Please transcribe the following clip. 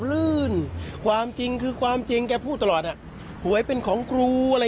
ลื่นความจริงคือความจริงแกพูดตลอดอ่ะหวยเป็นของครูอะไร